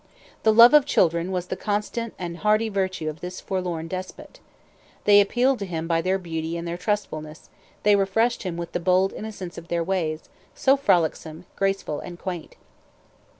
The love of children was the constant and hearty virtue of this forlorn despot. They appealed to him by their beauty and their trustfulness, they refreshed him with the bold innocence of their ways, so frolicsome, graceful, and quaint.